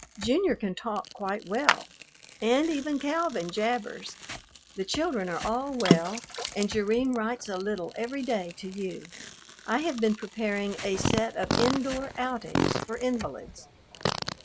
Junior can talk quite well, and even Calvin jabbers. The children are all well, and Jerrine writes a little every day to you. I have been preparing a set of indoor outings for invalids.